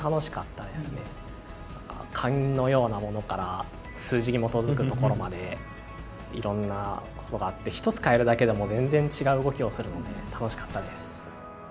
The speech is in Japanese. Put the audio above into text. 何か勘のようなものから数字に基づくところまでいろんな事があって１つ変えるだけでも全然違う動きをするので楽しかったです。